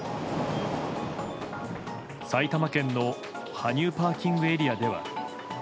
埼玉県の羽生ＰＡでは。